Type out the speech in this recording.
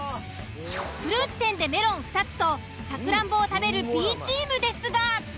フルーツ店でメロン２つとサクランボを食べるＢチームですが。